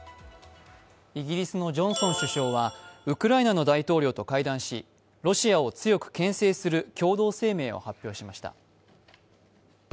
イギリスのジョンソン首相はウクライナの大統領と会談しロシアを強くけん制する共同声明を発表しました。